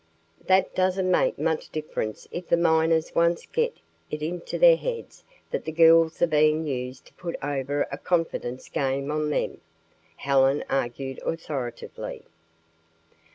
"That doesn't make much difference if the miners once get it into their heads that the girls are being used to put over a confidence game on them," Helen argued authoritatively.